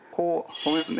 そうですね。